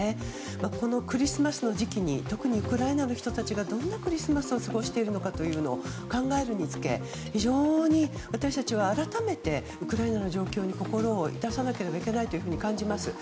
このクリスマスの時期に特にウクライナの人たちがどんなクリスマスを過ごしているのかを考えるにつけ、非常に私たちは改めてウクライナの状況に心を向けないといけないと感じます。